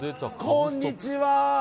こんにちは！